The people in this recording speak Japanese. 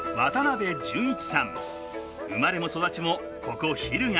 生まれも育ちもここ日向。